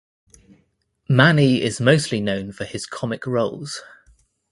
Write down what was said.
Mani is mostly known for his comic roles.